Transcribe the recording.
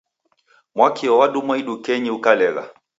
Mwakio wadumwa idukenyii ukalegha